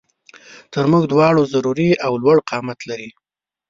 تر مونږ دواړو ضروري او لوړ قامت لري